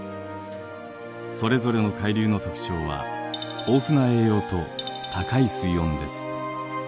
それぞれの海流の特徴は豊富な栄養と高い水温です。